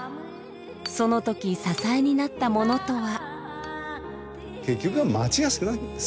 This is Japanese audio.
そのとき支えになったものとは。